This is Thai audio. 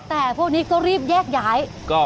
แต่พวกนี้ก็รีบแยกย้าย